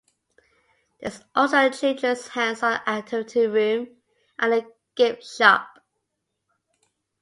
There is also a children's hands-on activity room and a gift shop.